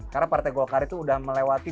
karena partai golkar itu udah melewati